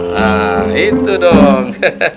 nah itu dong